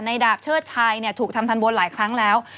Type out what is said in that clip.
ดาบเชิดชัยถูกทำทันบนหลายครั้งแล้ว